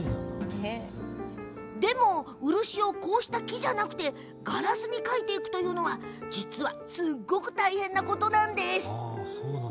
でも、こうして漆を木じゃなくてガラスに描いていくのは実は、すごく大変なことなんです。